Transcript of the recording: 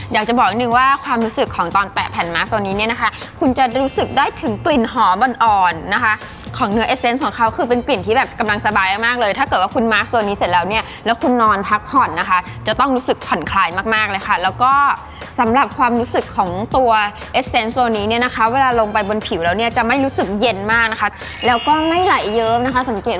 อยากจะบอกอีกหนึ่งว่าความรู้สึกของตอนแปะแผ่นมาร์คตัวนี้เนี่ยนะคะคุณจะรู้สึกได้ถึงกลิ่นหอมอ่อนอ่อนนะคะของเนื้อเอสเซนซ์ของเขาคือเป็นกลิ่นที่แบบกำลังสบายมากเลยถ้าเกิดว่าคุณมาร์คตัวนี้เสร็จแล้วเนี่ยแล้วคุณนอนพักผ่อนนะคะจะต้องรู้สึกผ่อนคลายมากมากเลยค่ะแล้วก็สำหรับความรู้สึกของตัวเอ